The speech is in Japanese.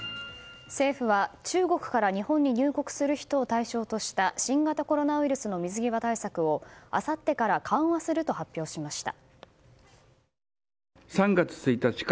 政府は、中国から日本へ入国する人を対象とした新型コロナウイルスの水際対策をあさってから緩和すると発表しました。